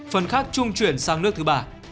phần khác trung chuyển sang nước thứ ba